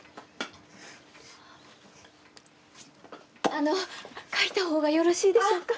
あの、書いたほうがよろしいでしょうか？